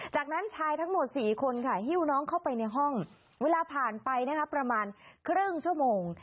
จากนั้นชายทั้งหมด๔คนค่ะหิ้วน้องเข้าไปในห้องเวลาผ่านไปนะคะประมาณครึ่งชั่วโมง